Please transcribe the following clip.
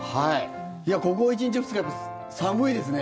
ここ１日、２日で寒いですね。